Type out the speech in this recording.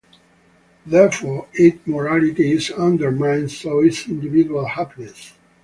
Therefore, if morality is undermined, so is individual happiness.